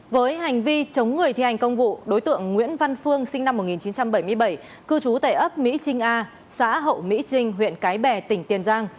với hành vi chống người thi hành công vụ đối tượng nguyễn văn phương sinh năm một nghìn chín trăm bảy mươi bảy cư trú tại ấp mỹ trinh a xã hậu mỹ trinh huyện cái bè tỉnh tiền giang